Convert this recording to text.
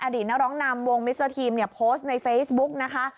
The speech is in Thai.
ดีตนักร้องนำวงมิสเตอร์ทีมเนี่ยโพสต์ในเฟซบุ๊กนะคะ